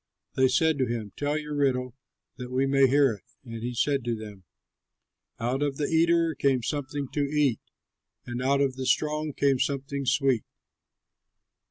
They said to him, "Tell your riddle, that we may hear it." And he said to them: "Out of the eater came something to eat, And out of the strong came something sweet."